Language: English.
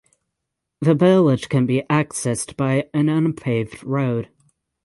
The village can be accessed by an unpaved road.